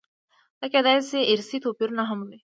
دا کېدای شي ارثي توپیرونه هم وي.